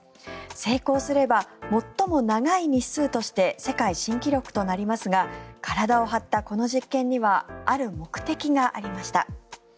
成功すれば最も長い日数として世界新記録となりますが体を張ったこの実験にはある目的がありました。